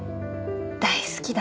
大好きだ